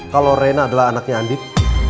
kalau reina adalah anaknya andin